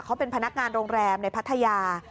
เขาเป็นพนักงานโรงแรมในพัทยา